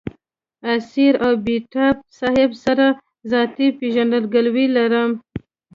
اسیر او بېتاب صاحب سره ذاتي پېژندګلوي لرم.